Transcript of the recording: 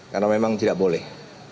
karena memang tidak boleh